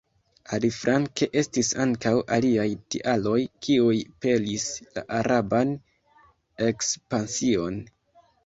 Aliflanke, estis ankaŭ aliaj tialoj kiuj pelis la araban ekspansion.